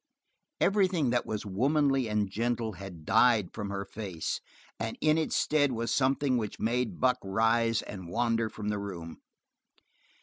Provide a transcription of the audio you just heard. Everything that was womanly and gentle had died from her face, and in its stead was something which made Buck rise and wander from the room.